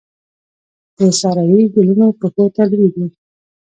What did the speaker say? د سارايي ګلونو پښو ته لویږې